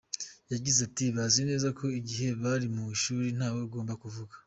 Yagize ati “Bazi neza ko igihe bari mu ishuri ntawe ugomba kuvuga.